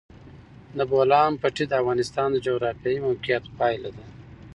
د بولان پټي د افغانستان د جغرافیایي موقیعت پایله ده.